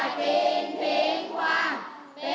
มีเด็กผู้หญิงมากกว่าเด็กผู้ชาย